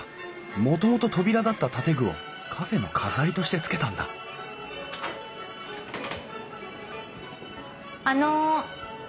もともと扉だった建具をカフェの飾りとして付けたんだあの。